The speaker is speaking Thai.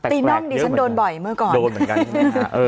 ตีน่องดิฉันโดนบ่อยเมื่อก่อนโดนเหมือนกันใช่ไหมฮะเออ